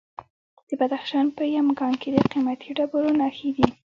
د بدخشان په یمګان کې د قیمتي ډبرو نښې دي.